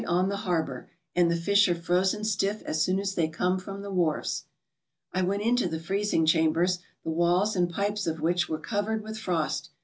ALASKA'S GOLDEN FISHERIES on the harbour, and the fish are frozen stiff as soon as they come from the wharves. I went into the freezing chambers, the walls and pipes of which were covered with frost.